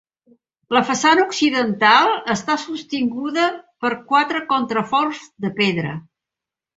La façana occidental està sostinguda per quatre contraforts de pedra.